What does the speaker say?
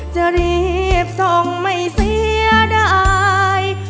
จะรีบส่งไม่เสียดาย